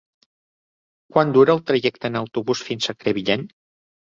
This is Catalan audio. Quant dura el trajecte en autobús fins a Crevillent?